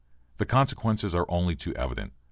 The consequences are only too evident.